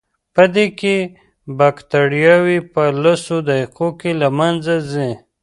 پدې کې بکټریاوې په لسو دقیقو کې له منځه ځي.